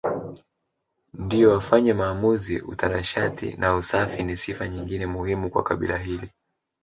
ndio wafanye maamuzi Utanashati na usafi ni sifa nyingine muhimu kwa kabila hili